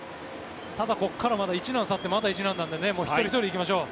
ただ、ここから一難去ってまた一難なので一人ひとり行きましょう。